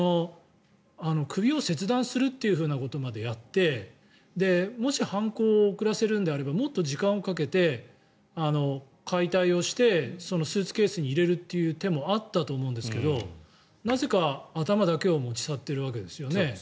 首を切断するということまでやってもし犯行を遅らせるのであればもっと時間をかけて解体をして、スーツケースに入れるっていう手もあったと思うんですがなぜか頭だけを持ち去っているわけですよね。